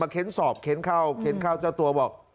เค้นสอบเค้นเข้าเค้นเข้าเจ้าตัวบอก